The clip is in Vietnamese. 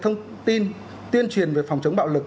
thông tin tuyên truyền về phòng chống bạo lực